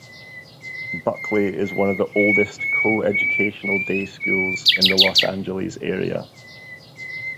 Buckley is one of the oldest co-educational day schools in the Los Angeles area.